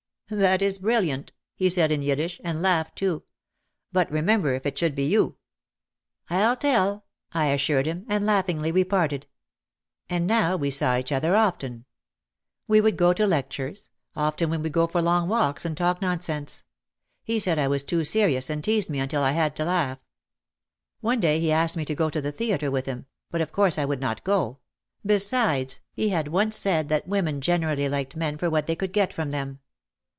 "That is brilliant," he said in Yiddish, and laughed too. "But remember if it should be you!" "I'll tell," I assured him, and laughingly we parted. And now we saw each other often. We would go to 308 OUT OF THE SHADOW lectures, often we would go for long walks and talk nonsense. He said I was too serious and teased me until I had to laugh. One day he asked me to go to the theatre with him, but of course I would not go. Be sides, he had once said that women generally liked men for what they could get from them.